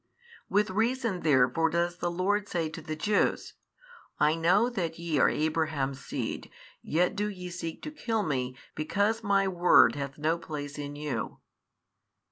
With reason therefore does the Lord say to the Jews, I know that ye are Abraham's seed yet do ye seek to kill Me because My Word hath no place in you.